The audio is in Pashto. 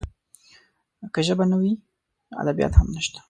که ژبه نه وي، نو ادبیات هم نشته.